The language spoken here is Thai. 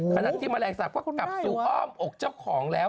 ขณะที่แมลงสาปก็กลับสู่อ้อมอกเจ้าของแล้ว